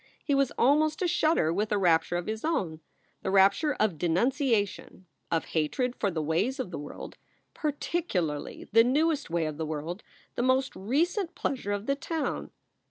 He was almost ashudder with a rapture of his own, the rapture of denunciation, of hatred for the ways of the world, particu larly the newest way of the world, the most recent pleasure of the town.